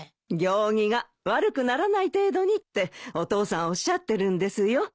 行儀が悪くならない程度にってお父さんおっしゃってるんですよ。